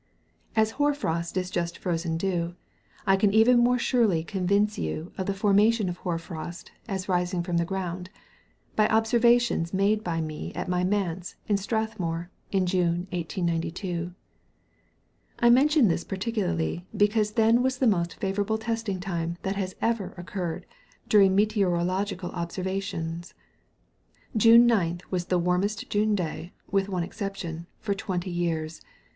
As hoar frost is just frozen dew, I can even more surely convince you of the formation of hoar frost as rising from the ground by observations made by me at my manse in Strathmore, in June 1892. I mention this particularly because then was the most favourable testing time that has ever occurred during meteorological observations. June 9th was the warmest June day (with one exception) for twenty years.